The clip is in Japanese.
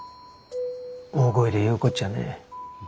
大声で言うことじゃねえ。